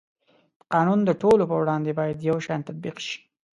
قانون د ټولو په وړاندې باید یو شان تطبیق شي.